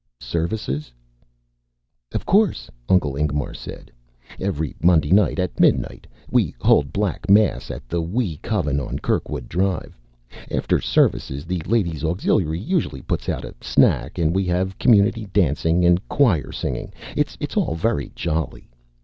"Services?" "Of course," Uncle Ingemar said. "Every Monday night at midnight we hold Black Mass at the Wee Coven on Kirkwood Drive. After services, the Ladies Auxiliary usually puts out a snack, and we have community dancing and choir singing. It's all very jolly."